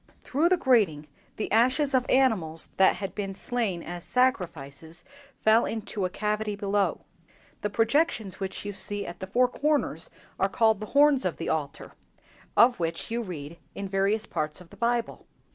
"Through the grating the ashes of animals that had been slain as sacrifices fell into a cavity below. The projections which you see at the four corners are called the horns of the altar, of which you read in various parts of the Bible."